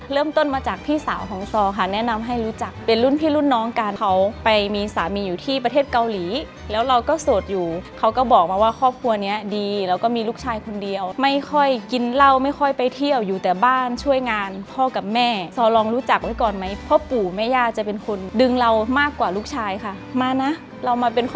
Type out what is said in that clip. เริ่มต้นมาจากพี่สาวของซอค่ะแนะนำให้รู้จักเป็นรุ่นพี่รุ่นน้องกันเขาไปมีสามีอยู่ที่ประเทศเกาหลีแล้วเราก็โสดอยู่เขาก็บอกมาว่าครอบครัวเนี้ยดีแล้วก็มีลูกชายคนเดียวไม่ค่อยกินเหล้าไม่ค่อยไปเที่ยวอยู่แต่บ้านช่วยงานพ่อกับแม่ซอลองรู้จักไว้ก่อนไหมพ่อปู่แม่ย่าจะเป็นคนดึงเรามากกว่าลูกชายค่ะมานะเรามาเป็นค